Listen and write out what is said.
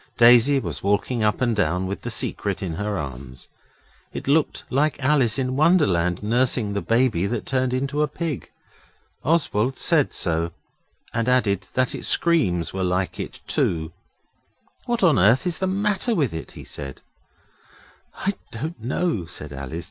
Daisy was walking up and down with the Secret in her arms. It looked like Alice in Wonderland nursing the baby that turned into a pig. Oswald said so, and added that its screams were like it too. 'What on earth is the matter with it?' he said. 'I don't know,' said Alice.